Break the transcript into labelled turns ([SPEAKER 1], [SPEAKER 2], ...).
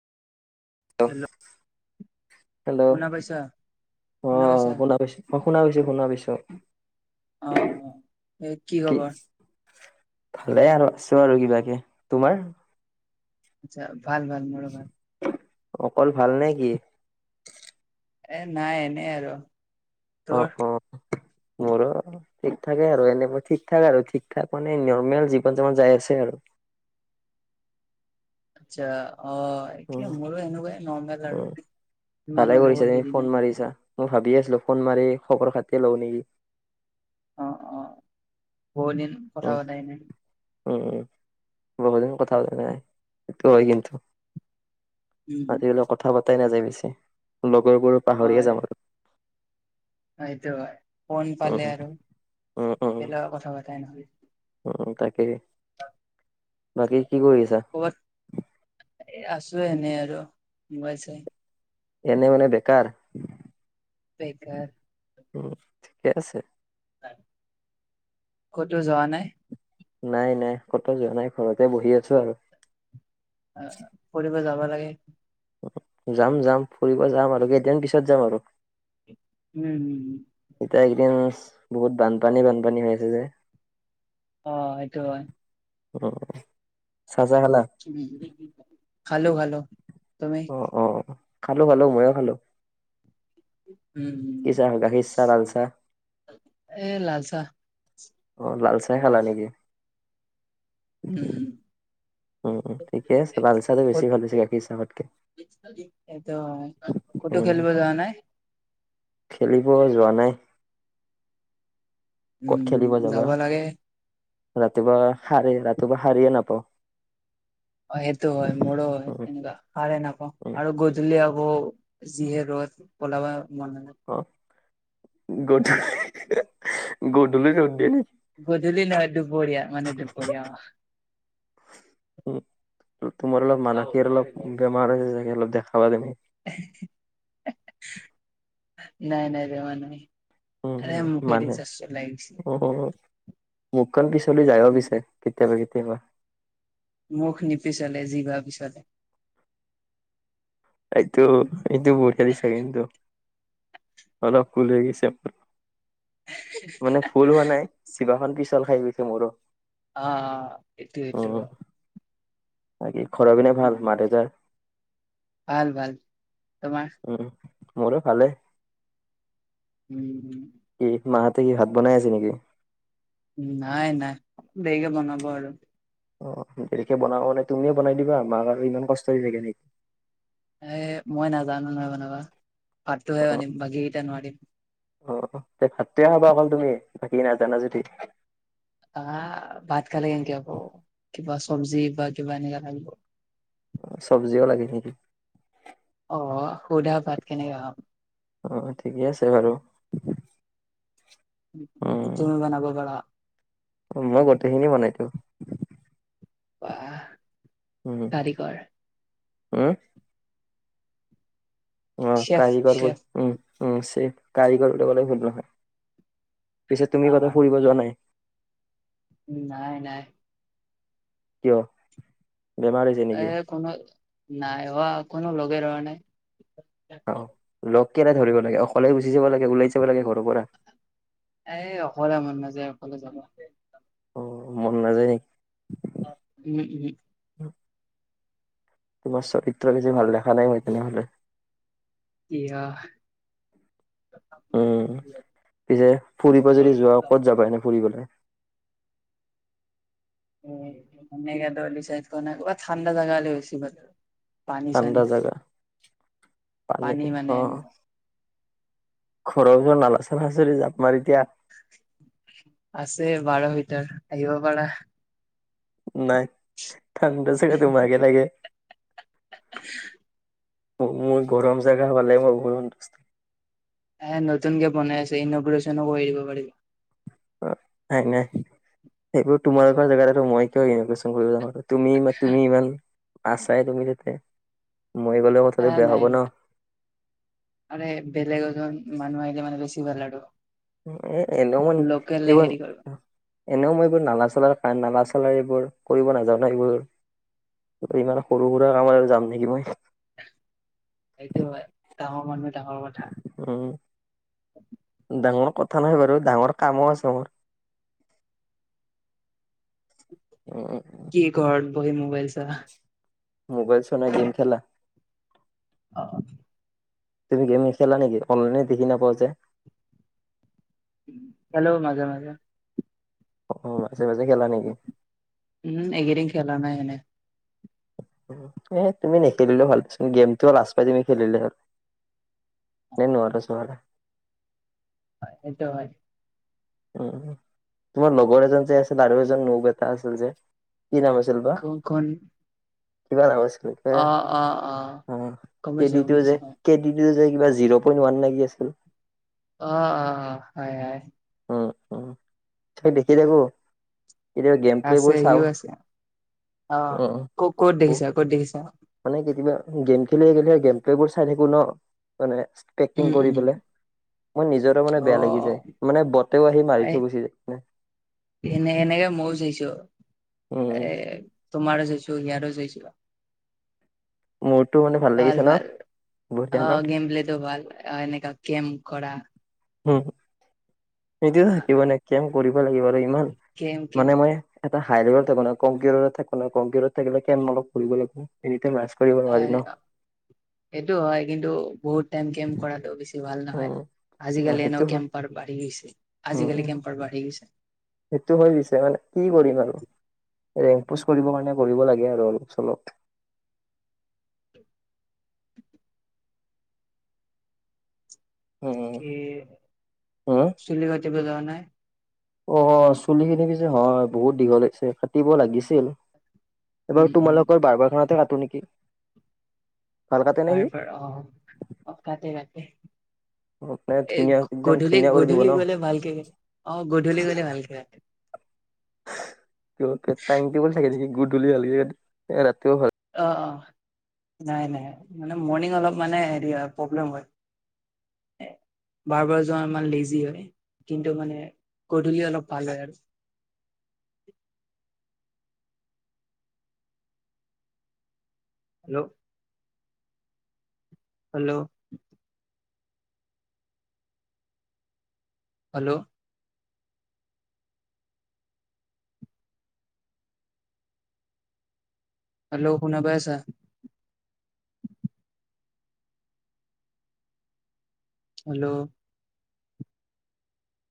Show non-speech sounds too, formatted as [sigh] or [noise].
[SPEAKER 1] Hello,
[SPEAKER 2] hello
[SPEAKER 1] শুনা পাইছা?
[SPEAKER 2] অ শুনা পিছো, অ শুনা পাইছো, শুনা পাইছো।
[SPEAKER 1] অ' ও' এই কি খবৰ?
[SPEAKER 2] ভালে আৰু আছো আৰু কিবাকে। তোমাৰ?
[SPEAKER 1] আচ্ছা, ভাল-ভাল মোৰো ভাল।
[SPEAKER 2] অকল ভাল নে কি?
[SPEAKER 1] এ নাই, এনেই আৰু
[SPEAKER 2] অ
[SPEAKER 1] তোৰ?
[SPEAKER 2] অ মোৰো ঠিক থাকে আৰু এনে মই ঠিক ঠাক আৰু ঠিক ঠাক মানে নৰ্মেল জীৱন জন যাই আছে আৰু
[SPEAKER 1] চ্ছা অ'য়
[SPEAKER 2] উম
[SPEAKER 1] এতিয়া মোৰো এনেকুৱাই নৰ্মেল আৰু
[SPEAKER 2] উম ভালে
[SPEAKER 1] ইমানো
[SPEAKER 2] কৰিছা
[SPEAKER 1] বহুত
[SPEAKER 2] তুমি
[SPEAKER 1] হেৰি
[SPEAKER 2] ফোন
[SPEAKER 1] নাই।
[SPEAKER 2] মাৰিছা মই ভাবি‌ আছিলো। ফোন মাৰি খবৰ-খাতি লওঁ নেকি?
[SPEAKER 1] অ'-অ' বহু দিন কথা পতাই নাই।
[SPEAKER 2] উ উ বহু দিন কথা পাতা নাই, সেইটো হয় কিন্তু।
[SPEAKER 1] উম
[SPEAKER 2] আজিকালি কথা পতাই নাযায় বেছি, লগৰবোৰো পাহৰিয়ে যাম আৰু।
[SPEAKER 1] অ সেইটো হয় ফোন
[SPEAKER 2] উম
[SPEAKER 1] পালে আৰু
[SPEAKER 2] উম উম
[SPEAKER 1] একে-লগে কথা পাতাই নহয়
[SPEAKER 2] উম' তাকে। বাকী কি কৰি আছা
[SPEAKER 1] কবাত আছোঁ এ আছো এনে আৰু মোবাইল চাই।
[SPEAKER 2] এনে মানে বেকাৰ।
[SPEAKER 1] বেকাৰ।
[SPEAKER 2] উম' ঠিকে আছে।
[SPEAKER 1] কটো যৱা নাই।
[SPEAKER 2] নাই-নাই কটো যোৱা নাই ঘৰতে বহি আছো আৰু
[SPEAKER 1] অ অ' ফৰিব যাব লাগে।
[SPEAKER 2] যাম-যাম ফুৰিব যাম আৰু কেইদিন পিছত যাম আৰু।
[SPEAKER 1] উম' হুম-হুম।
[SPEAKER 2] এতিয়া একে দিন বহুত বানপানী-বানপানী হৈ আছে যে।
[SPEAKER 1] অ সেইটো হয়।
[SPEAKER 2] অ চাজা খালা।
[SPEAKER 1] উ খালো-খালো তুমি।
[SPEAKER 2] অ' অ' খালো-খালো ময়ো খালো।
[SPEAKER 1] উম উম
[SPEAKER 2] কি চাহ গাখীৰ চাহ লাল চাহ
[SPEAKER 1] এ লাল চাহ।
[SPEAKER 2] অ লাল চাহে খালা নেকি।
[SPEAKER 1] উম
[SPEAKER 2] উম উম, ঠিকে আছে লালচাহটো বেছি ভাল পিছে গাখীৰ চাহতকে।
[SPEAKER 1] অ অ ক'তো
[SPEAKER 2] উম
[SPEAKER 1] খেলিব যোৱা নাই?
[SPEAKER 2] খেলিব যোৱা নাই। ক'ত
[SPEAKER 1] উম
[SPEAKER 2] খেলিব যাবা?
[SPEAKER 1] যাব লাগে
[SPEAKER 2] ৰাতিপুৱা সাৰে ৰাতিপুৱা সাৰিয়ে নাপাও।
[SPEAKER 1] অ সেইটো হয় মোৰো হয়
[SPEAKER 2] উম
[SPEAKER 1] তেনেকোৱা সাৰে নাপাও
[SPEAKER 2] উম
[SPEAKER 1] আৰু গধূলি আকৌ যিহে ৰ'দ ওলাবা মন নাযায়।
[SPEAKER 2] অ, গধূলি গধূলি ৰ'দ দিয়ে নেকি?
[SPEAKER 1] গধূলি নহয় দুপৰীয়া মানে দুপৰীয়া অ
[SPEAKER 2] উম তোমাৰ অলপ মানসিক অলপ বেমাৰ হৈছে চাগে, অলপ দেখাবা তুমি।
[SPEAKER 1] এহে হে হে নাই নাই, বেমাৰ নহয়।
[SPEAKER 2] উম উম মানুহে
[SPEAKER 1] গৈছে
[SPEAKER 2] উম উম মুখখন পিছলি যায় অ পিছে। কেতিয়াবা কেতিয়াবা।
[SPEAKER 1] মুখ নিপিচলে, জিভা পিছলে।
[SPEAKER 2] এইটো, এইটো বঢ়িয়া দিছা কিন্তু। অলপ ভুল হৈ গৈছে মানে ভুল হোৱা নাই। জিভাখন পিছল খাই গৈছে মোৰো।
[SPEAKER 1] অ অ, এইটো এইটো।
[SPEAKER 2] উম বাকী ঘৰৰ পিনে ভাল,
[SPEAKER 1] উম
[SPEAKER 2] মা-দেউতাৰ?
[SPEAKER 1] ভাল ভাল তোমাৰ?
[SPEAKER 2] উম, মোৰো ভালে।
[SPEAKER 1] উম উম।
[SPEAKER 2] এই মাহঁতে কি ভাত বনাই আছে নেকি?
[SPEAKER 1] নাই নাই, দেৰিকে বনাব আৰু।
[SPEAKER 2] অ দেৰিকে বনাব মানে তুমিয়ে বনাই দিবা, মাক আৰু ইমান কষ্ট দি থাকে নেকি?
[SPEAKER 1] এ মই নাজানো নহয় বানাব, ভাতটোহে
[SPEAKER 2] অ
[SPEAKER 1] জানিম বাকীকেইটা নোৱাৰিম।
[SPEAKER 2] অ ভাতে খাবা অকল তুমি, বাকী নাজানা যদি।
[SPEAKER 1] আ ভাত খালে কেনেকে হব কিবা চব্জি বা কিবা এনেকা লাগিব।
[SPEAKER 2] চব্জিও লাগে নেকি?
[SPEAKER 1] অ' সুধা ভাত কেনেকে খাম?
[SPEAKER 2] অ ঠিকে আছে বাৰু। উম
[SPEAKER 1] তুমি বনাব পাৰা?
[SPEAKER 2] মই গোটেইখিনি বনাই দিও।
[SPEAKER 1] বাঃ
[SPEAKER 2] উম উম অ
[SPEAKER 1] চেফ
[SPEAKER 2] কাৰিকৰ বোৰ
[SPEAKER 1] চেফ
[SPEAKER 2] উম উম আছে কাৰিকৰ লগতে বনোৱা হয়। পিছে তুমি
[SPEAKER 1] আহ
[SPEAKER 2] কতো ফুৰিব যোৱা নাই?
[SPEAKER 1] নাই নাই।
[SPEAKER 2] কিয় বেমাৰ হৈছে নেকি?
[SPEAKER 1] অ নাই অ কোনো লগে ধৰা নাই।
[SPEAKER 2] অ লগ কেলে ধৰিব লাগে অকলেই গুচি যাব লাগে, ওলাই যাব লাগে ঘৰৰ পৰা।
[SPEAKER 1] এ অকলে মন নযায় অকলে যাব।
[SPEAKER 2] উম মন নাযায় নেকি?
[SPEAKER 1] অ, ওহোঁ ওহোঁ।
[SPEAKER 2] তোমাৰ চৰিত্ৰ পিচে ভাল দেখা নাই মই তেনেহলে।
[SPEAKER 1] কিয়?
[SPEAKER 2] উম পিছে, ফুৰিব যদি যোৱা ক'ত যাবা এনে ফুৰিবলৈ?
[SPEAKER 1] উম, মেঘালয় ডিচাইড কৰা নাই। কৰবাত ঠাণ্ডা জাগা হ'লে বেছি ভাল। পানী চানী
[SPEAKER 2] ঠাণ্ডা
[SPEAKER 1] থাকে
[SPEAKER 2] জাগা
[SPEAKER 1] পানী মানে এনেকুৱা
[SPEAKER 2] ঘৰৰ চৰত নালাচচ জাপ মাৰি এতিয়া।
[SPEAKER 1] আছে বাৰৰ ভিতৰত আহিব পাৰা।
[SPEAKER 2] নাই ঠাণ্ডা চাগে তোমাক হে লাগে।
[SPEAKER 1] [inaudible]
[SPEAKER 2] মোৰ গৰম জেগা পালে মই বহুত সন্তুষ্ট।
[SPEAKER 1] এ নতুন কে বনাই আছে ইনগ্ৰে্চনো কৰি দিব পাৰি।
[SPEAKER 2] অ', নাই -নাই সেইবোৰ তোমালোকৰ জেগাত মই কিয় ইনৌভেচন কৰিব আৰু তুমি ই তুমি ইমান আছাই তুমি যাতে মই গ'লেও কথাটো বেয়া হ'ব ন।
[SPEAKER 1] মানে বেলেগ এজন মানুহ আহিলে মানে বেছি ভাল আৰু।
[SPEAKER 2] উ এ এনেও
[SPEAKER 1] লোকেলে হেৰি কৰিব
[SPEAKER 2] [unintelligible] এনেও মই এইবোৰ নালাৰ চালাৰ কাৰ নালা চলাৰ এইবোৰ কৰিব নাজানো এইবোৰ। ইমান সৰু সুৰা কামত আৰু যাম নেকি মই।
[SPEAKER 1] সেইটো হয় ডাঙৰ মানে। ডাঙৰ কথা।
[SPEAKER 2] উম ডাঙৰ কথা নহয় বাৰু ডাঙৰ কামো আছে মোৰ। [unintelligible]
[SPEAKER 1] কি ঘৰত বহি মোবাইল চা।
[SPEAKER 2] মোবাইল চোৱা নে গেম খেলা।
[SPEAKER 1] অ',
[SPEAKER 2] তুমি গেম খেলা নেকি অনলাইনে দিখি নাপাওঁ যে-
[SPEAKER 1] খেলো ' মাজে- মাজে।
[SPEAKER 2] অ', মাজে- মাজে খেলা নেকি?
[SPEAKER 1] উম', এইকেইদিন খেলা নাই এনে
[SPEAKER 2] এ তুমি নেখেলিলেও ভাল পাইচোন গেমটো খেলিলৈ লাজ পাই যাই তুমি খেলিলে এনে নোৱাৰা চোৱাৰা।
[SPEAKER 1] হয় এইটো হয়।
[SPEAKER 2] তোমাৰ লগৰ এজন যে- আছিল আৰু এজন নোক এটা আছিল যে- কি নাম আছিল বা?
[SPEAKER 1] কোন কোন
[SPEAKER 2] কিবা নাম আছিল।
[SPEAKER 1] অ
[SPEAKER 2] [unintelligible]
[SPEAKER 1] অ অ
[SPEAKER 2] উম
[SPEAKER 1] গম পাইছো
[SPEAKER 2] খেদিটো
[SPEAKER 1] গম পাইছো
[SPEAKER 2] যে-
[SPEAKER 1] অ
[SPEAKER 2] কেদি টো যে কিবা জিৰ পইট ওৱান লাগি আছিল।
[SPEAKER 1] অ -অ অ হয়- হয়।
[SPEAKER 2] উম -উম তাকে দেখি থাকো। কেতিয়াবা গেম প্লে
[SPEAKER 1] আছে
[SPEAKER 2] বোৰ
[SPEAKER 1] সিও
[SPEAKER 2] চাওঁ
[SPEAKER 1] আছে। অ
[SPEAKER 2] উম
[SPEAKER 1] ক'- ক'ত
[SPEAKER 2] বহুত
[SPEAKER 1] দেখিছা ক'ত দেখিছা?
[SPEAKER 2] মানে কেতিয়া গেম খেলি -খেলি গেমটো চাই থাকো ন মানে- পেকটিং
[SPEAKER 1] উম,
[SPEAKER 2] কৰি
[SPEAKER 1] উম
[SPEAKER 2] পেলাই মই নিজৰ মানে বেয়া লাগি যায়
[SPEAKER 1] অ',
[SPEAKER 2] মানে বটেও আহি মাৰি
[SPEAKER 1] এই
[SPEAKER 2] থৈ গুচি যায়।
[SPEAKER 1] এনে এনেকে মইও চাইছো
[SPEAKER 2] উম
[SPEAKER 1] এ তোমাৰো চাইছো ইয়াৰো চাইছো।
[SPEAKER 2] মোৰতো মানে
[SPEAKER 1] ভাল
[SPEAKER 2] লাগিছে ন
[SPEAKER 1] -ভাল
[SPEAKER 2] বঢ়িয়া ন
[SPEAKER 1] অ', গেম খেলিলে টো ভাল এনেকে। কেম কৰা।
[SPEAKER 2] উম সেইটো থাকিব লাগিব কেম কৰিব লাগিব আৰু ইমান
[SPEAKER 1] গেম গেম
[SPEAKER 2] মানে মই। এটা হাই লভ থাকো ন' কিউ থাকো কমিউ থাকিলে কে অলপ ফুৰিবলৈ। এনি টাইম লাজ কৰিব। নোৱাৰি ন
[SPEAKER 1] সেইটো হয় কিন্তু বহুত টাইম গেম কৰাটো বেছি ভাল নহয়।
[SPEAKER 2] উম অ
[SPEAKER 1] আজিকালি এনে
[SPEAKER 2] সেইটো হয়
[SPEAKER 1] কেম্পাৰ বাঢ়ি গৈছে আজিকালি
[SPEAKER 2] উম
[SPEAKER 1] কেম্পাৰ বাঢ়ি গৈছে।
[SPEAKER 2] সেইটো হৈ পিছে মানে কি কৰিম আৰু ৰেং পোষ্ট কৰিবৰ কাৰণে কৰিব লাগে আৰু অলপ চলপ। উম
[SPEAKER 1] কি
[SPEAKER 2] হম
[SPEAKER 1] চুলি কাটিব যোৱা নাই?
[SPEAKER 2] অ চুলিখিনি পিছে হয় বহুত দীঘল হৈছে কাটিব লাগিছিল। এইবাৰ
[SPEAKER 1] উম, উম
[SPEAKER 2] তোমালোকৰ বাৰ্বাৰখনতে কাটো নেকি! ভাল কাটে নে সি
[SPEAKER 1] বাৰ্বাৰ অ' অ' কাটে কাটে।
[SPEAKER 2] মানে
[SPEAKER 1] এ
[SPEAKER 2] ধুনীয়া একদম
[SPEAKER 1] গধূলি
[SPEAKER 2] ধুনীয়া কৰি দিব ন
[SPEAKER 1] গধূলি গলে ভালকে অ' গধূলি গলে ভালকে কাটে।
[SPEAKER 2] টাইম টেবুল থাকে নেকি গুধূলি হ'লে এ ৰাতিও ভাল।
[SPEAKER 1] অ' অ' নাই নাই মানে মৰ্ণিং অলপ মানে হেৰি হয় প্ৰব্লেম হয়। এ। বাৰ্বাৰ যোৱা অলপমান লেজি হয়। কিন্তু মানে গধুলি অলপ ভাল হয় আৰু। হেল্ল'। Hello hello. হেল্লো, শুনা পাই আছা। হেল্ল'।